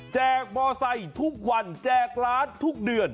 กมอไซค์ทุกวันแจกร้านทุกเดือน